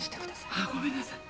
あっごめんなさい。